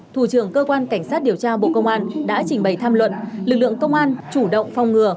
thủ trưởng cơ quan cảnh sát điều tra bộ công an đã trình bày tham luận lực lượng công an chủ động phong ngừa